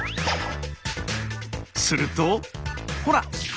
するとほら！